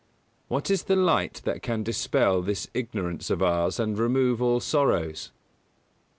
_What is the light that can dispel this ignorance of ours and remove all sorrows?